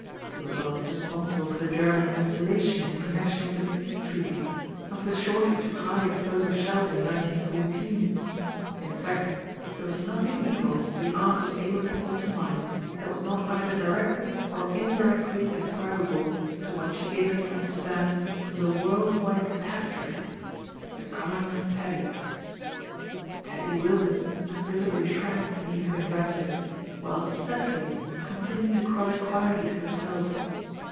He was held responsible for the German vacillation in connection with the Peace Treaty, and for the shortage of high^xplosive sheUs m 1 9 14. In fact, there was nothing evil the Aunt was able to caU to mind that was not either directly or indirectly ascribable to what she gave us to under stand was a world wide catastrophe— the coming of Teddy. / xf^'— LORD DREWITT: ABIBASSADOR 805 "Teddy wilted and visibly shrank beneath her invective, whilst Cecily continued to cry quietly to herself.